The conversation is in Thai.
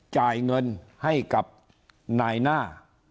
จ่ายเงินให้กับนายหน้า